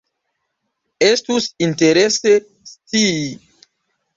Estus interese scii.